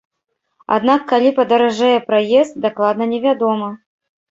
Аднак калі падаражэе праезд, дакладна невядома.